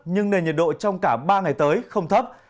nhưng nền nhiệt độ trong cả ba ngày tới không thấp